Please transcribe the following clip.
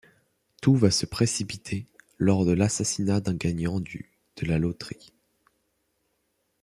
Tout va se précipiter, lors de l'assassinat d'un gagnant du de la loterie...